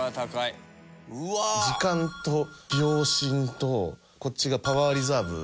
時間と秒針とこっちがパワーリザーブ。